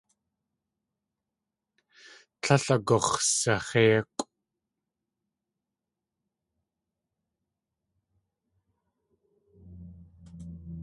Tlél agux̲saxéikʼw.